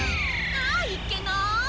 あっいっけない。